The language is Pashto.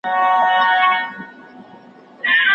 د نکاح پر وخت بايد ضروري معلومات شريک کړئ.